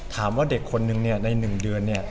ถามว่าเด็กคนนึงใน๑เดือน